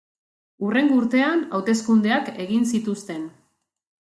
Hurrengo urtean, hauteskundeak egin zituzten.